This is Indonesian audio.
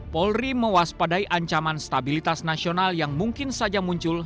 polri mewaspadai ancaman stabilitas nasional yang mungkin saja muncul